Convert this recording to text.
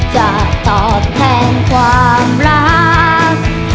จะตอบแทนความรัก